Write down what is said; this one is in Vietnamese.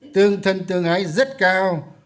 tương thân tương ái rất cao